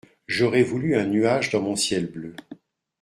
J'aurais voulu un nuage dans mon ciel bleu.